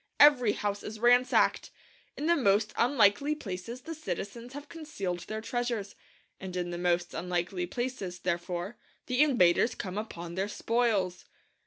Every house is ransacked. In the most unlikely places the citizens have concealed their treasures, and in the most unlikely places, therefore, the invaders come upon their spoils.